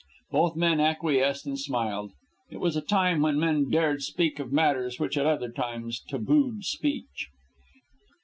Both men acquiesced and smiled. It was a time when men dared speak of matters which at other times tabooed speech.